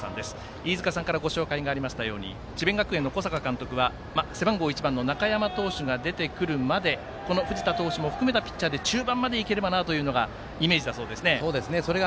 飯塚さんからご紹介がありましたように智弁学園の小坂監督は背番号１番の中山投手が出てくるまでこの藤田投手を含めたピッチャーで中盤までいけたらいいなというイメージだそうですね。